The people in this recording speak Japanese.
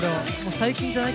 最近じゃない？